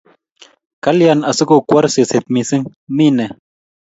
Kalya asigokwor seset mising', mi ne?